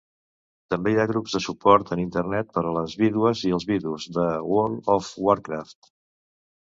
També hi ha grups de suport en Internet per a les vídues / els vidus de "World of Warcraft".